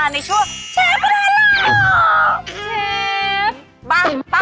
ในชั่วเชฟกระดานหล่อ